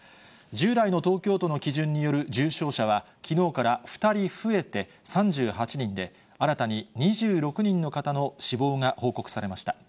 従来の東京都の基準による重症者は、きのうから２人増えて、３８人で、新たに２６人の方の死亡が報告されました。